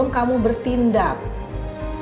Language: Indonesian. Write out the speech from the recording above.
aku mungkin lebih rumah